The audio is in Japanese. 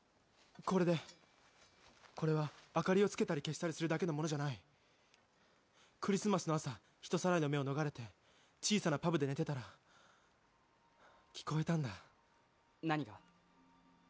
これでこれは灯りをつけたり消したりするだけのものじゃないクリスマスの朝人さらいの目を逃れて小さなパブで寝てたら聞こえたんだ何が？